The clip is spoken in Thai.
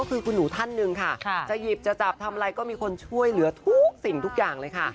ก็คือคุณหนูท่านหนึ่งค่ะจะหยิบจะจับทำอะไรก็มีคนช่วยเหลือทุกสิ่งทุกอย่างเลยค่ะ